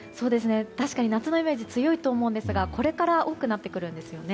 確かに夏のイメージが強いと思いますがこれから多くなってきます。